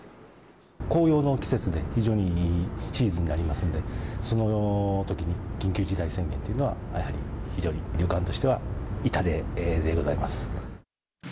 紅葉の季節で、非常にいいシーズンになりますので、そのときに、緊急事態宣言っていうのは、やはり非常に旅館としては痛手でございます。